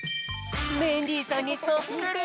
メンディーさんにそっくり！